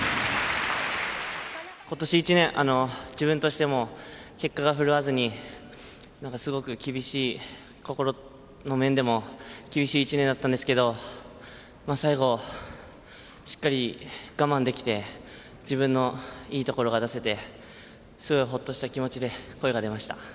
今年１年自分としても結果が振るわずに心の面でも厳しい１年だったんですけど最後、しっかり我慢できて自分のいいところが出せてほっとした気持ちで声が出ました。